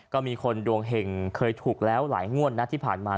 ก็มีคนดวงเห็งเคยถูกแล้วหลายงวดนะที่ผ่านมา